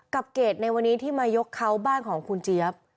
เกรดในวันนี้ที่มายกเขาบ้านของคุณเจี๊ยบ